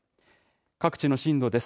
各地の震度です。